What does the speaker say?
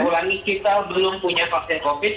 ulangi kita belum punya vaksin covid